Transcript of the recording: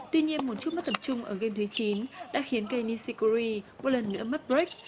tuy nhiên một chút mất tập trung ở game thứ chín đã khiến kei nishikori một lần nữa mất break